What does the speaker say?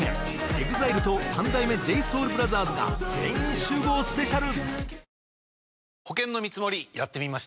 ＥＸＩＬＥと三代目ＪＳＯＵＬＢＲＯＴＨＥＲＳが全員集合スペシャル！